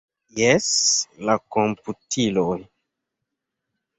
Jes, la komputiloj.